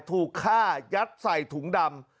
ถูกฆ่ายัดใส่ถุงดำ